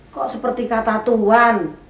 kok seperti kata tuhan